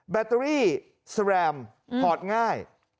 แบตเตอรี่สแรมถอดง่าย